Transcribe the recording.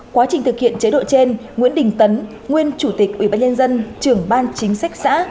quá trình thực hiện chế độ trên nguyễn đình tấn nguyên chủ tịch ủy ban nhân dân trưởng ban chính sách xã